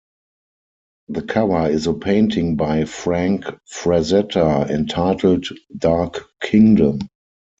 The cover is a painting by Frank Frazetta entitled Dark Kingdom.